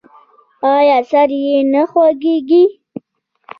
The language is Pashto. ایا سر یې نه خوږیږي؟